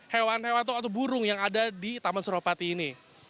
hewan hewan atau burung yang ada di taman suropati ini